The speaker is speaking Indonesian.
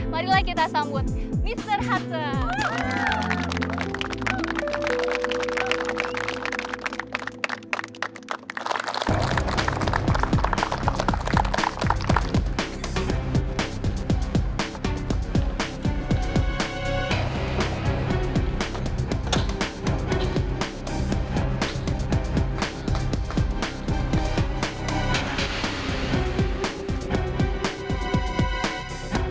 marilah kita sambut mr hudson